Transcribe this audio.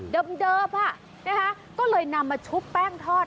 เดิมก็เลยนำมาชุบแป้งทอด